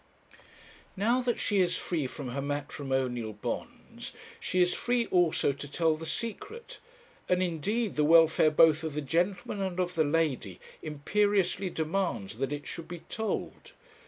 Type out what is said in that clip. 'Now that she is free from her matrimonial bonds, she is free also to tell the secret; and indeed the welfare both of the gentleman and of the lady imperiously demands that it should be told.